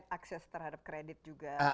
akses terhadap kredit juga